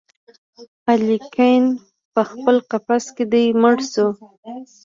الیکین پخپل قفس کي دی مړ شوی